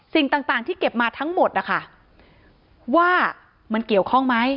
สิ่งต่างที่เก็บมาทั้งหมดนะคะว่ามันเกี่ยวข้องไหม